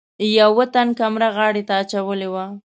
یوه تن کامره غاړې ته اچولې وه.